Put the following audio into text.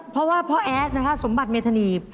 เพราะว่าพ่อแอดนะคะสมบัติเมธานี